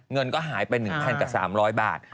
เงินก็หายไป๑กับ๓๐๐บาท